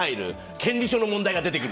権利書の問題が出てくる。